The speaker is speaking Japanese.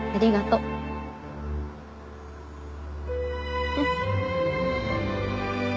うん。